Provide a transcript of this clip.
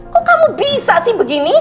kok kamu bisa sih begini